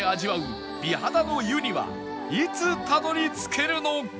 美肌の湯にはいつたどり着けるのか？